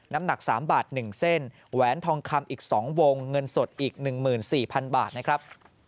น้ำหนัก๓บาท๑เส้นแหวนทองคำอีก๒วงเงินสดอีก๑๔๐๐๐บาทนะครับ